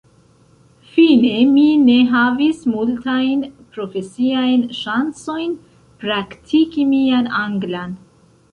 Fine mi ne havis multajn profesiajn ŝancojn praktiki mian anglan.